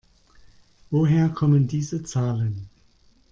Woher kommen diese Zahlen?